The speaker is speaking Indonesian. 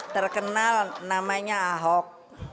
terkenal namanya ahok